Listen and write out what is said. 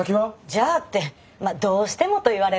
「じゃあ」ってまあどうしてもと言われれば？